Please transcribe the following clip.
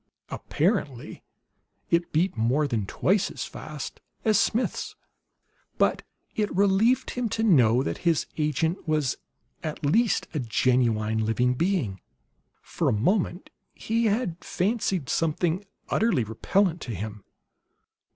Apparently it beat more than twice as fast as Smith's. But it relieved him to know that his agent was at least a genuine living being. For a moment he had fancied something utterly repellent to him.